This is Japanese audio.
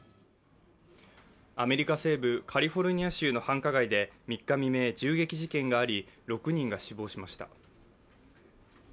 アメリカ西部カリフォルニア州の繁華街で３日未明、銃撃事件があり６人が死亡しました。